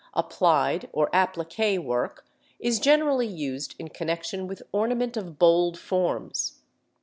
Applied or appliqué work is generally used in connection with ornament of bold forms.